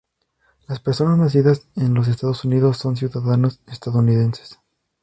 Las personas nacidas en los Estados Unidos son ciudadanos estadounidenses.